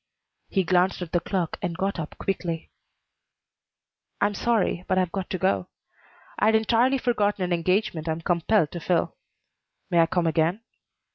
He glanced at the clock and got up quickly. "I'm sorry, but I've got to go. I'd entirely forgotten an engagement I'm compelled to fill. May I come again?"